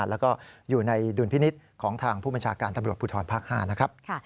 แล้วก็อยู่ในดุลพินิษฐ์ของทางผู้บัญชาการตำรวจภูทรภาค๕นะครับ